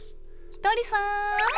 ひとりさん！